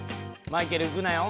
［マイケルいくなよ］